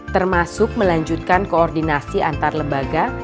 termasuk melanjutkan koordinasi antar lembaga